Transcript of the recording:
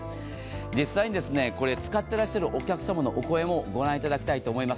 実際にこれ使っていらっしゃるお客様のお声も御覧いただきたいと思います。